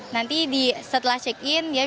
nanti setelah check in